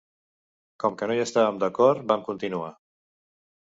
Com que no hi estàvem d’acord, vam continuar.